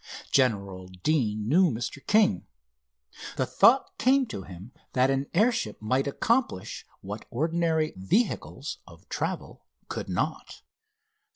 General Deane knew Mr. King. The thought came to him that an airship might accomplish what ordinary vehicles of travel could not."